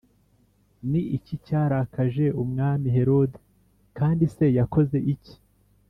Ni iki cyarakaje Umwami Herode kandi se yakoze iki